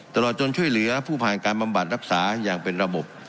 ตลอดจนช่วยเหลือผู้ผ่านการบำบัดรักษาอย่างเป็นระบบ